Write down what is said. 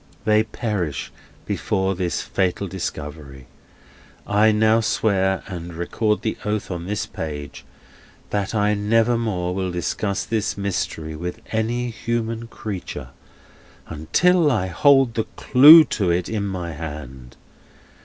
They perish before this fatal discovery. I now swear, and record the oath on this page, That I nevermore will discuss this mystery with any human creature until I hold the clue to it in my hand.